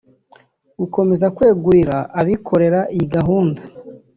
gukomeza kwegurira abikorera iyi gahunda